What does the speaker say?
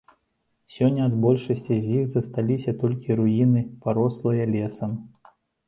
Сёння ад большасці з іх засталіся толькі руіны, парослыя лесам.